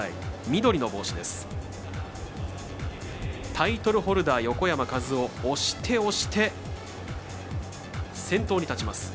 緑の帽子です。